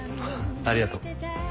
ありがとう。